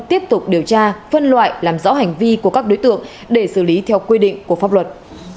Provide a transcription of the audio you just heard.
tiếp tục điều tra phân loại làm rõ hành vi của các đối tượng để xử lý theo quy định của pháp luật